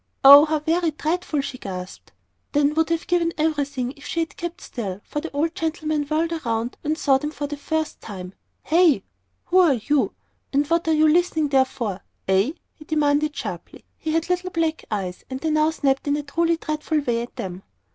"Oh, how very dreadful!" she gasped then would have given everything if she had kept still, for the old gentleman whirled around and saw them for the first time. "Hey who are you and what are you listening there for hey?" he demanded sharply. He had little black eyes, and they now snapped in a truly dreadful way at them.